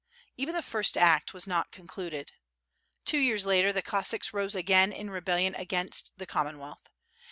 Even the first act was not concluded. Two years later the Cossacks rose again in rebellion against the Commonwealth.